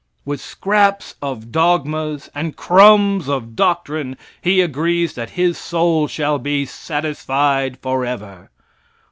With scraps of dogmas and crumbs of doctrine, he agrees that his soul shall be satisfied forever.